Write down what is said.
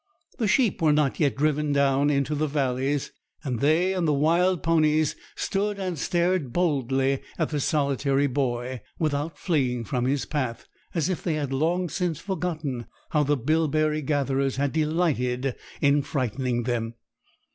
The sheep were not yet driven down into the valleys, and they and the wild ponies stood and stared boldly at the solitary boy, without fleeing from his path, as if they had long since forgotten how the bilberry gatherers had delighted in frightening them.